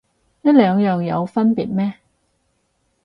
呢兩樣有分別咩